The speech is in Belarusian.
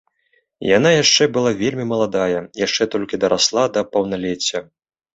Яна яшчэ была вельмі маладая, яшчэ толькі дарасла да паўналецця.